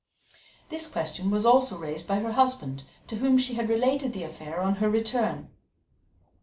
This question was also raised by her husband, to whom she had related the affair on her return.